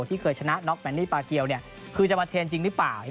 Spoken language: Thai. ที่เคยชนะน็อกแมนนี่ปาเกียวคือจะมาเทนจริงหรือเปล่า